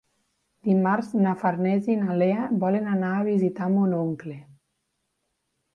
Dimarts na Farners i na Lea volen anar a visitar mon oncle.